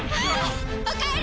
おかえり！